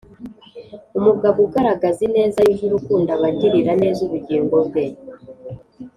Umugabo ugaragaza ineza yuje urukundo aba agirira neza ubugingo bwe